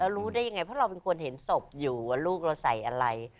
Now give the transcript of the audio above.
รู้ได้ยังไงเพราะเราเป็นคนเห็นศพอยู่ว่าลูกเราใส่อะไร